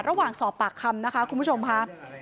ระหว่างสอบปากคำนะคะคุณผู้ชมค่ะ